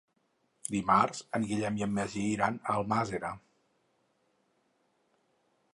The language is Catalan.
Dimarts en Guillem i en Magí iran a Almàssera.